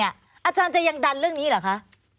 อาจารย์จะยังดันเรื่องนี้เหรอคะ